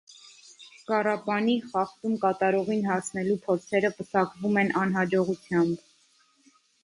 Կառապանի՝ խախտում կատարողին հասնելու փորձերը պսակվում են անհաջողությամբ։